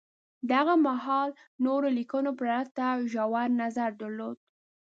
د هغه مهال نورو لیکنو پرتله ژور نظر درلود